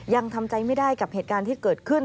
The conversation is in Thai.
ยังทำใจไม่ได้กับเหตุการณ์ที่เกิดขึ้น